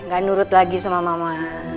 gak nurut lagi sama mama